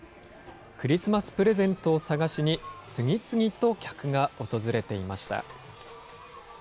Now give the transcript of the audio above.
クリスマスプレゼントを探しに、次々と客が訪れていました。